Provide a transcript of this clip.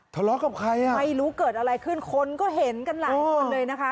ทะเลาะกับใครอ่ะไม่รู้เกิดอะไรขึ้นคนก็เห็นกันหลายคนเลยนะคะ